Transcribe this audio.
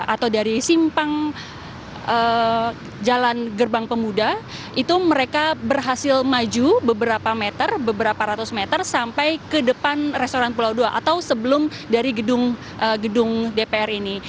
atau dari simpang jalan gerbang pemuda itu mereka berhasil maju beberapa meter beberapa ratus meter sampai ke depan restoran pulau dua atau sebelum dari gedung dpr ini